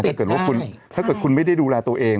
ถ้าเกิดว่าคุณไม่ได้ดูแลตัวเอง